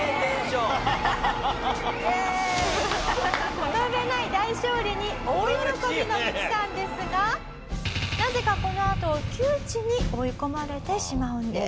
この上ない大勝利に大喜びのミキさんですがなぜかこのあと窮地に追い込まれてしまうんです。